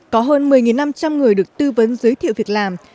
có hơn một mươi năm trăm linh người được tư vấn giới thiệu việc làm